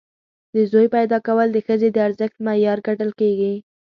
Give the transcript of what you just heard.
د زوی پیدا کول د ښځې د ارزښت معیار ګڼل کېږي.